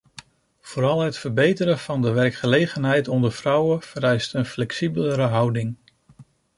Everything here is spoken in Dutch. Vooral het verbeteren van de werkgelegenheid onder vrouwen vereist een flexibelere houding.